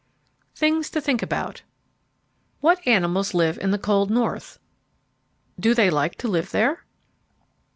THINGS TO THINK ABOUT What animals live in the cold north? Do they like to live there?